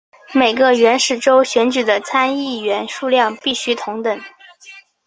每个原始州选举的参议员数量必须同等。